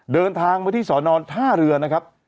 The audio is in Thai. เดินทางมาที่สอนอนท่าเรือนะครับ